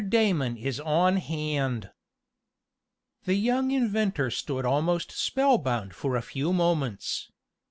DAMON IS ON HAND The young inventor stood almost spellbound for a few moments.